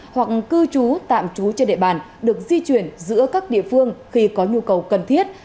hoặc cư trú tạm trú trên địa bàn được di chuyển giữa các địa phương khi có nhu cầu cần thiết